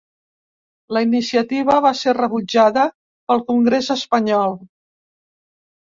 La iniciativa va ser rebutjada pel Congrés espanyol.